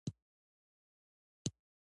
سیندونه د افغانستان د اجتماعي جوړښت برخه ده.